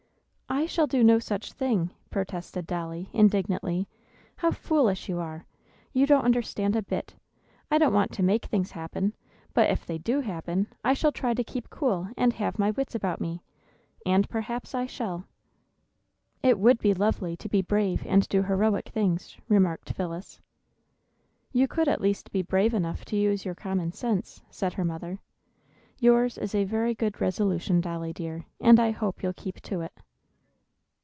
"I shall do no such thing," protested Dolly, indignantly. "How foolish you are! You don't understand a bit! I don't want to make things happen; but, if they do happen, I shall try to keep cool and have my wits about me, and perhaps I shall." "It would be lovely to be brave and do heroic things," remarked Phyllis. "You could at least be brave enough to use your common sense," said her mother. "Yours is a very good resolution, Dolly dear, and I hope you'll keep to it."